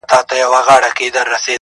• په قفس کي به ککړي درته کړمه -